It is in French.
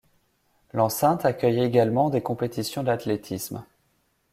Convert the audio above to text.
L'enceinte accueille également des compétitions d'athlétisme.